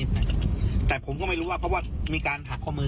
ผมทำพรหรักผิดเสร็จฉันคือ